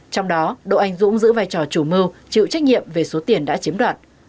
trong đó đỗ anh dũng giữ vai trò chủ mưu chịu trách nhiệm về số tiền đã chiếm đoạt